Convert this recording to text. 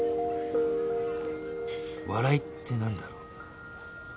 「笑い」ってなんだろう？